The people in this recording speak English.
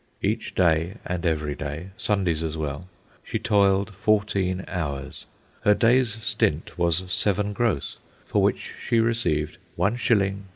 Each day and every day, Sundays as well, she toiled fourteen hours. Her day's stint was seven gross, for which she received 1s. 3.